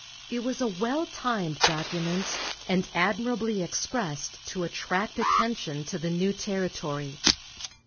It was a well timed document, and admirably expressed to attract attention to the new territory.